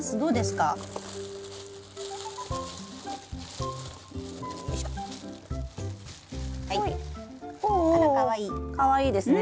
かわいいですね。